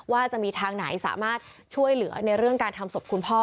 ว่าจะมีทางไหนสามารถช่วยเหลือในเรื่องการทำศพคุณพ่อ